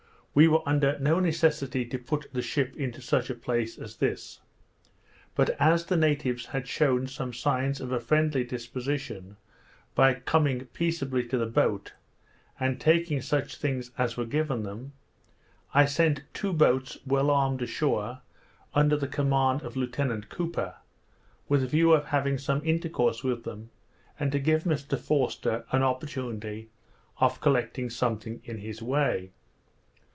We were under no necessity to put the ship into such a place as this; but as the natives had shewn some signs of a friendly disposition, by coming peaceably to the boat, and taking such things as were given them, I sent two boats well armed ashore, under the command of Lieutenant Cooper, with a view of having some intercourse with them, and to give Mr Forster an opportunity of collecting something in his way.